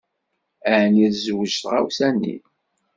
Ɛni tezweǧ tɣawsa-nni?